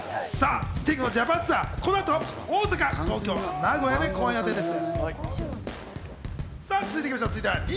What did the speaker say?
さあ、スティングのジャパンツアー、この後、大阪、東京、名古屋で公演予定です。